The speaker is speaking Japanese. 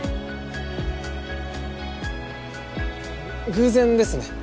偶然ですね。